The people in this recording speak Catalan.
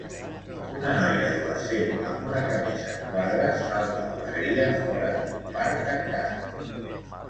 Una noia adolescent amb una camisa amb quadres salta d'alegria fora d'un parc tancat.